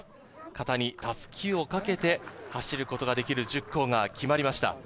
肩に襷をかけて走ることができる１０校が決まりました。